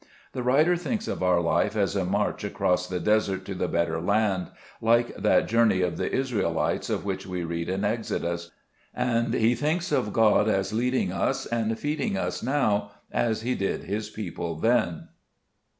The writer thinks of our life as a march across the desert to the better land, like that journey of the Israelites of which we read in Exodus ; and he thinks of God as leading us and feed ing us now as He did His people then.